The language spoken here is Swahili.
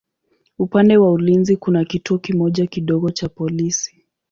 Upande wa ulinzi kuna kituo kimoja kidogo cha polisi.